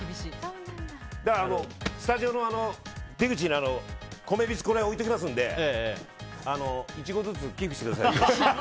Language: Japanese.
だから、スタジオの出口に米びつを置いておきますので１合ずつ寄付してください。